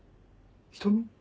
瞳？